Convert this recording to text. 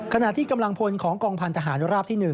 ขณะที่กำลังพลของกองพันธหารราบที่๑